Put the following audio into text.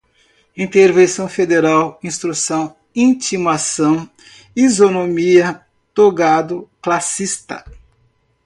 intervenção federal, instrução, intimação, isonomia, togado, classista